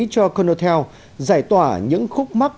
cho conotel giải tỏa những khúc mắc